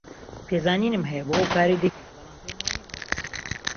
پێزانینم هەیە بۆ ئەو کارەی دەیکەیت، بەڵام پێم وانییە کەڵکی هەبێت.